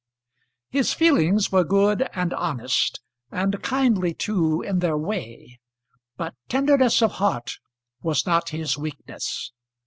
His feelings were good and honest, and kindly too in their way; but tenderness of heart was not his weakness.